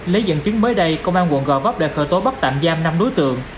lấy dẫn chứng mới đây công an quận gò vấp đã khởi tố bắt tạm giam năm đối tượng